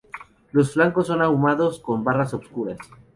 Los flancos son ahumados con barras oscuras.